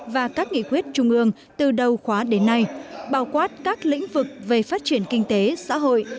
và các nghị quyết trung ương từ đầu khóa đến nay bào quát các lĩnh vực về phát triển kinh tế xã hội